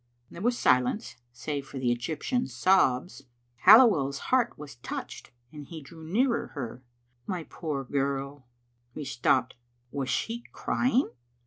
There was silence, save for the Egyptian's sobs. Halliweirs heart was touched, and he drew nearer her. " My poor girl " He stopped. Was she crying?